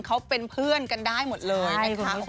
เขาเป็นเพื่อนกันได้หมดเลยนะคะ